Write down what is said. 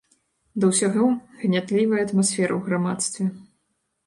Да ўсяго, гнятлівая атмасфера ў грамадстве.